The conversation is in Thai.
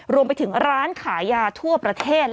รวมไปถึงร้านขายยาทั่วประเทศ